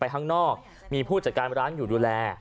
ข้างนอกมีผู้จัดการร้านอยู่ดูแล